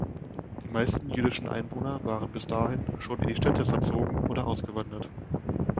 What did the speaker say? Die meisten jüdischen Einwohner waren bis dahin schon in die Städte verzogen oder ausgewandert.